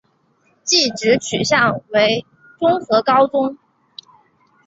技职取向为综合高中。